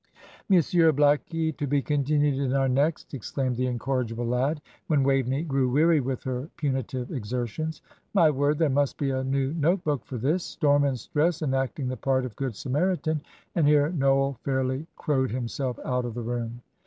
"'Monsieur Blackie, to be continued in our next,'" exclaimed the incorrigible lad, when Waveney grew weary with her punitive exertions. "My word, there must be a new note book for this. 'Storm and Stress enacting the part of Good Samaritan';" and here Noel fairly crowed himself out of the room.